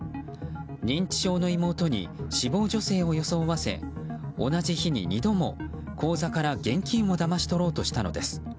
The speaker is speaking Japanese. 認知症の妹に死亡女性を装わせ同じ日に２度も口座から現金をだまし取ろうとしたのです。